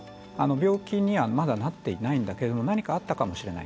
病気にはまだなっていないんだけれども何かあったかもしれない。